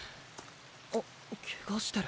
あっケガしてる。